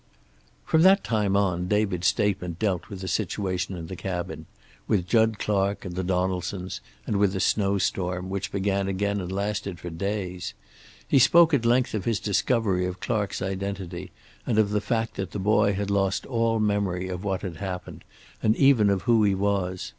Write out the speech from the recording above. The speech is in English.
From that time on David's statement dealt with the situation in the cabin; with Jud Clark and the Donaldsons, and with the snow storm, which began again and lasted for days. He spoke at length of his discovery of Clark's identity, and of the fact that the boy had lost all memory of what had happened, and even of who he was.